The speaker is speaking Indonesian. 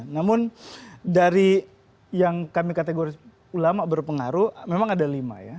namun dari yang kami kategori ulama berpengaruh memang ada lima ya